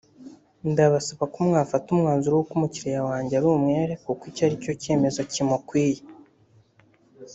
« Ndabasaba ko mwafata umwanzuro w’uko umukiliya wanjye ari umwere kuko icyo aricyo cyemezo kimukwiye